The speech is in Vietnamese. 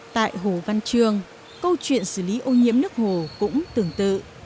tại hồ văn trương câu chuyện xử lý ô nhiễm nước hồ cũng tương tự